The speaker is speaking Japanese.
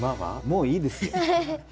もういいですよ。